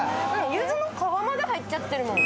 ゆずの皮まで入っちゃってるもん。